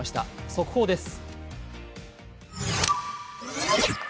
速報です。